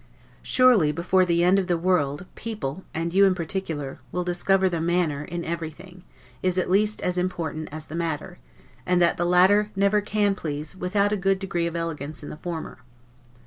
Surely, before the end of the world, people, and you in particular, will discover that the MANNER, in everything, is at least as important as the matter; and that the latter never can please, without a good degree of elegance in the former.